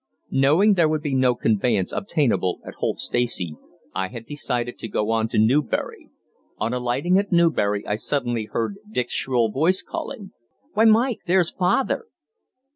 Knowing there would be no conveyance obtainable at Holt Stacey, I had decided to go on to Newbury. On our alighting at Newbury I suddenly heard Dick's shrill voice calling: "Why, Mike, there's father!"